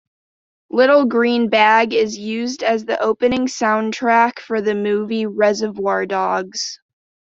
Little Green Bag is used as the opening soundtrack for the movie Reservoir Dogs.